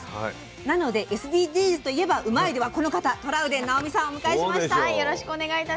なのでＳＤＧｓといえば「うまいッ！」ではこの方トラウデン直美さんをお迎えしました。